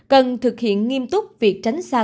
cần thực hiện nghiêm túc việc tránh xa